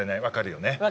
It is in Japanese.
わかるよね？